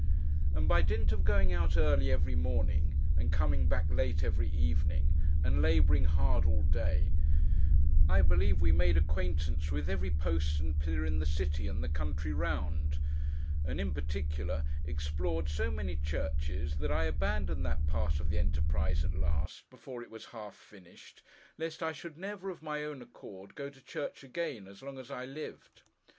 And, by dint of going out early every morning, and coming back late every evening, and labouring hard all day, I believe we made acquaintance with every post and pillar in the city, and the country round; and, in particular, explored so many churches, that I abandoned that part of the enterprise at last, before it was half finished, lest I should never, of my own accord, go to church again, as long as I lived.